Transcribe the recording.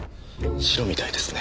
シロみたいですね。